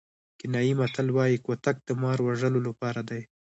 کینیايي متل وایي کوتک د مار وژلو لپاره دی.